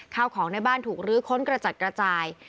ข้าวของในบ้านถูกลื้อค้นกระจัดกระจาย